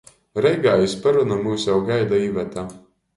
Reigā iz perona myus jau gaida Iveta.